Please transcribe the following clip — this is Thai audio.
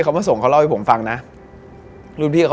ก็นอนได้ปกตินี่คะ